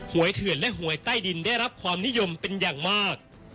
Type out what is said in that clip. วยเถื่อนและหวยใต้ดินได้รับความนิยมเป็นอย่างมาก